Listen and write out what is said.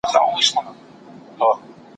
خو عمومي لارښوونه صدقه ده.